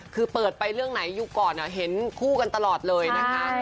คือเปิดไปเรื่องไหนอยู่ก่อนเห็นคู่กันตลอดเลยนะคะ